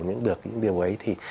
những điều ấy thì